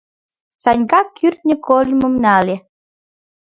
Санька кӱртньӧ кольмым нале.